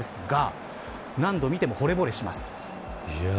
何度見ても、ほれぼれします。